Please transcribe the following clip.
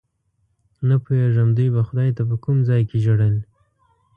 نه پوهېږم دوی به خدای ته په کوم ځای کې ژړل.